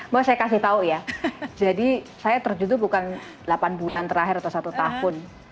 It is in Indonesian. mau saya kasih tahu ya jadi saya terjudul bukan delapan bulan terakhir atau satu tahun